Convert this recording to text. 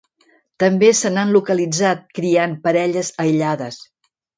També se n'han localitzat criant parelles aïllades.